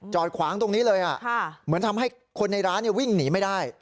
จอดขวางตรงนี้เลยอ่ะค่ะเหมือนทำให้คนในร้านเนี่ยวิ่งหนีไม่ได้